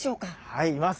はいいます。